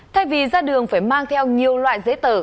thay vì ra đường phải mang theo nhiều loại giấy tờ